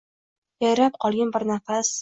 Yayrab qolgin bir nafas.